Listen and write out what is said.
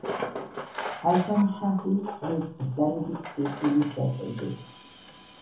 აზამ შაჰი ძმის ბრძანებით სიკვდილით დასაჯეს.